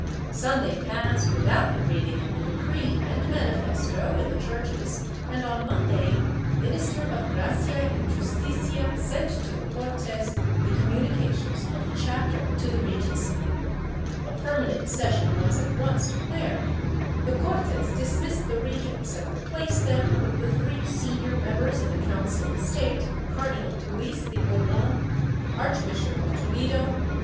Sunday passed without the reading of the decree and manifesto in the churches and, on Monday, the minister of Gracia y Justicia sent to the Cortes the communications of the chapter to the Regency. A permanent session was at once declared; the Cortes dismissed the regents and replaced them with the three senior members of the Council of State, Cardinal Luis de Bourbon, Archbishop of Toledo, D.